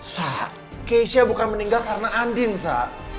sa keisha bukan meninggal karena andi sa